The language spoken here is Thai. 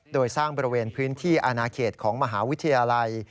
โดยสร้างบริเวณพื้นที่อนาเขตของมหาวิทยาลัย